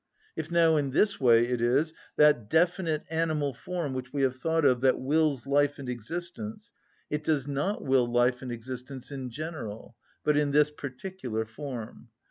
If now in this way it is that definite animal form which we have thought of that wills life and existence, it does not will life and existence in general, but in this particular form.